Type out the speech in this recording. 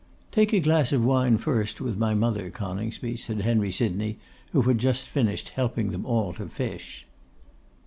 'Take a glass of wine first with my mother, Coningsby,' said Henry Sydney, who had just finished helping them all to fish.